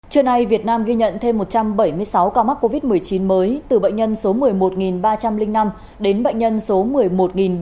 trưa nay việt nam ghi nhận thêm một trăm bảy mươi sáu ca mắc covid một mươi chín mới từ bệnh nhân số một mươi một ba trăm linh năm đến bệnh nhân số một mươi một ba trăm